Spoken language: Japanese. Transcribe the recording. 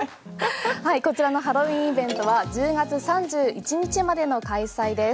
こちらのハロウィーンイベントは１０月３１日までの開催です。